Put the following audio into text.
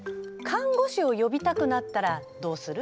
看護師をよびたくなったらどうする？